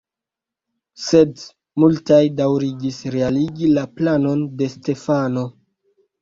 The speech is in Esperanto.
Sed multaj daŭrigis realigi la planon de Stefano.